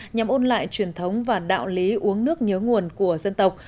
nhằm ôn lại truyền thống và đạo lý uống nước nhớ nguồn của dân tộc